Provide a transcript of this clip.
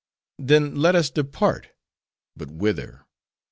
Then let us depart. But whither?